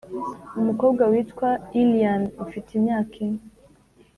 Umukobwa witwa Iliana ufite imyaka ine